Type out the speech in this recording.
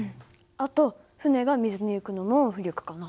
あと船が水に浮くのも浮力かな。